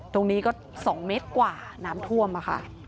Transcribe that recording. ตรงนี้ก็๒เมตรกว่าน้ำท่วมค่ะ